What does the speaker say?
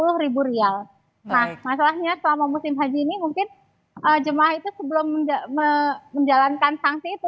nah masalahnya selama musim haji ini mungkin jemaah itu sebelum menjalankan sanksi itu